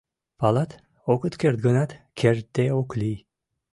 Палат: огыт керт гынат, кертде ок лий.